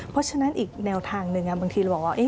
เพราะฉะนั้นอีกแนวทางหนึ่งบางทีเราบอกว่า